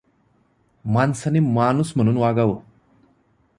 माणसाने माणूस म्हणून वागावं.